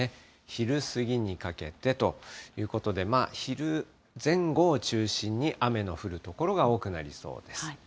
昼過ぎにかけてということで、昼前後を中心に雨の降る所が多くなりそうです。